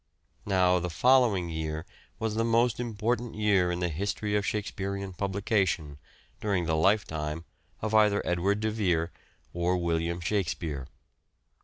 Now, the following year was the most important year in the history of Shakespearean publication during the lifetime of either Edward de Vere or William Shakspere.